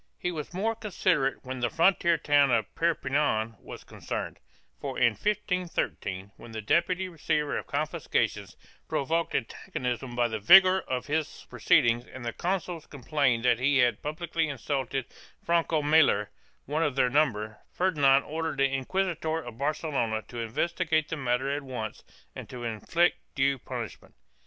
1 He was more considerate when the frontier town of Perpinan was concerned, for in 1513, when the deputy receiver of confisca tions provoked antagonism by the vigor of his proceedings and the consuls complained that he had publicly insulted Franco Maler, one of their number, Ferdinand ordered the inquisitor of Barcelona to investigate the matter at once and to inflict due punishment.